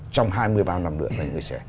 trong hai mươi ba năm nữa